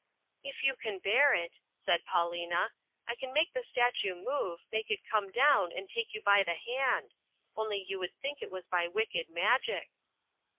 "If you can bear it," said Paulina, "I can make the statue move, make it come down and take you by the hand. Only you would think it was by wicked magic."